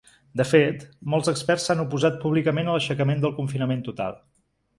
De fet, molts experts s’han oposat públicament a l’aixecament del confinament total.